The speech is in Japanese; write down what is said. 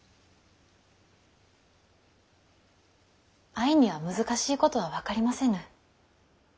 愛には難しいことは分かりませぬ。